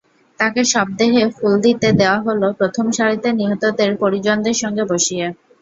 তাঁকে শবদেহে ফুল দিতে দেওয়া হলো প্রথম সারিতে নিহতদের পরিজনদের সঙ্গে বসিয়ে।